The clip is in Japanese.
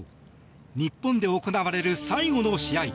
日本で行われる最後の試合。